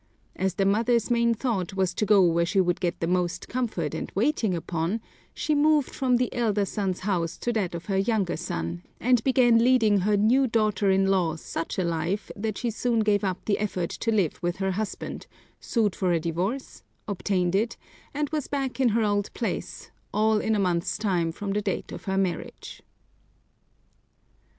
As the mother's main thought was to go where she would get the most comfort and waiting upon, she moved from the elder son's house to that of her younger son, and began leading her new daughter in law such a life that she soon gave up the effort to live with her husband, sued for a divorce, obtained it, and was back in her old place, all in a month's time from the date of her marriage.